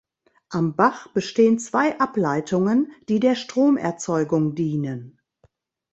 Am Bach bestehen zwei Ableitungen, die der Stromerzeugung dienen.